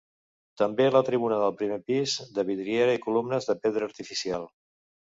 També la tribuna del primer pis, de vidriera i columnes de pedra artificial.